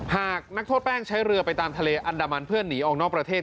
หากนักโทษแป้งใช้เรือไปตามทะเลอันดามันเพื่อหนีออกนอกประเทศ